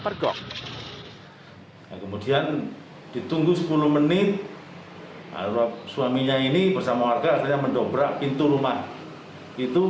pergok kemudian ditunggu sepuluh menit suaminya ini bersama warga akhirnya mendobrak pintu rumah itu